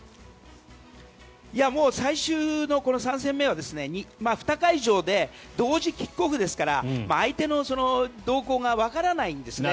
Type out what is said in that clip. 最終の３戦目は２会場で同時キックオフですから相手の動向がわからないんですね。